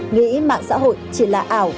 nghĩ mạng xã hội chỉ là ảo